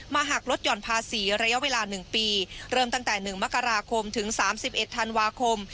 มาหักลดหย่อนภาษีระยะเวลาหนึ่งปีเริ่มตั้งแต่หนึ่งมกราคมถึงสามสิบเอ็ดธันวาคม